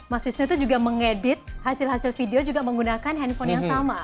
mas wisnu itu juga mengedit hasil hasil video juga menggunakan handphone yang sama